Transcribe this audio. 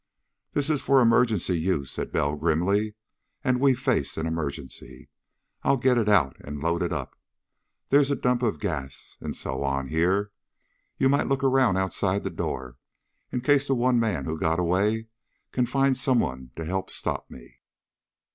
"This is for emergency use," said Bell grimly, "and we face an emergency. I'll get it out and load it up. There's a dump of gas and so on here. You might look around outside the door, in case the one man who got away can find someone to help stop me."